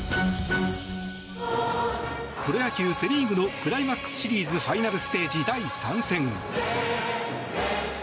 プロ野球セ・リーグのクライマックスシリーズファイナルステージ第３戦。